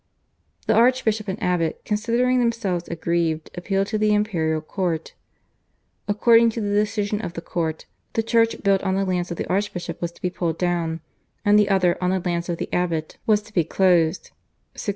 The archbishop and abbot, considering themselves aggrieved, appealed to the imperial court. According to the decision of this court the church built on the lands of the archbishop was to be pulled down, and the other on the lands of the abbot was to be closed (1618).